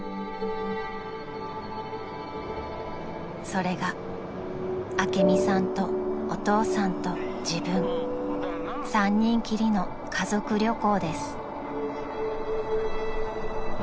［それが朱美さんとお父さんと自分３人きりの家族旅行です］